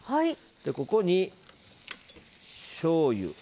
ここに、しょうゆ。